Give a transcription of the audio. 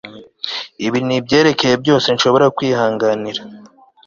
ibi nibyerekeye byose nshobora kwihanganira